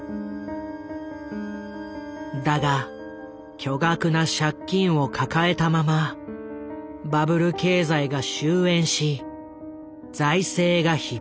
だが巨額な借金を抱えたままバブル経済が終焉し財政が逼迫。